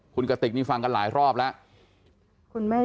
คุณกติกนี่ฟังกันหลายรอบแล้ว